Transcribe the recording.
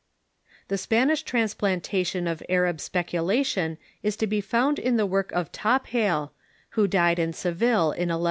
The Spanish transplantation of Arab speculation is to be found in the work of Tophail, who died in Seville in 1190.